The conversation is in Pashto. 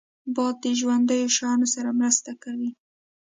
باد د ژوندیو شیانو سره مرسته کوي